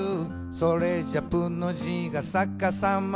「それじゃ『プ』の字がさかさまだ」